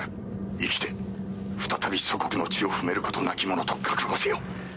生きて再び、祖国の地を踏めることなきものと覚悟せよ。